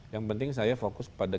yang penting saya fokus pada